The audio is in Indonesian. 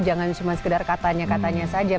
jangan cuma sekedar katanya katanya saja